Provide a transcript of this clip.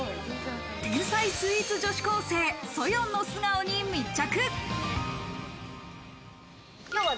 天才スイーツ女子高生・Ｓｏｙｏｎの素顔に密着。